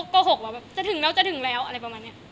โกหกว่าแบบจะถึงแล้วจะถึงแล้วอะไรประมาณนี้